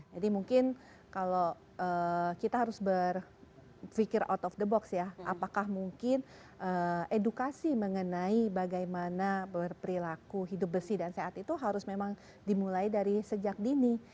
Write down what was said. jadi mungkin kalau kita harus berpikir out of the box ya apakah mungkin edukasi mengenai bagaimana perilaku hidup bersih dan sehat itu harus memang dimulai dari sejak dini